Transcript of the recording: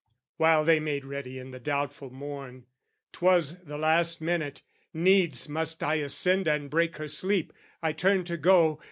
While they made ready in the doubtful morn, 'Twas the last minute, needs must I ascend And break her sleep; I turned to go.